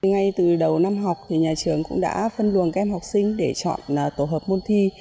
ngay từ đầu năm học nhà trường cũng đã phân luồng các em học sinh để chọn tổ hợp môn thi